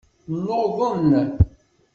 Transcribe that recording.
Nuḍen.